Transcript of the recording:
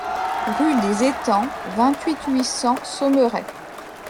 Rue des Etangs, vingt-huit, huit cents Saumeray